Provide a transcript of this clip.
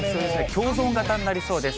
共存型になりそうです。